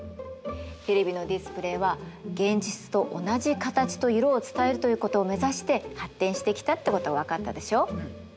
テレビのディスプレイは現実と同じ形と色を伝えるということを目指して発展してきたってことが分かったでしょう。